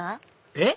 えっ？